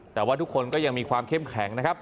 แต่ว่าทุกคนก็ยังมีความเข้มแข็งนะครับ